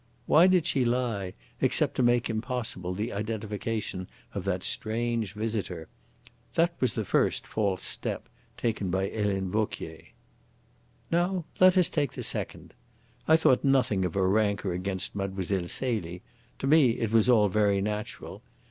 Why did she lie, except to make impossible the identification of that strange visitor? That was the first false step taken by Helene Vauquier. "Now let us take the second. I thought nothing of her rancour against Mlle. Celie. To me it was all very natural.